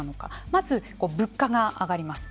まず物価が上がります。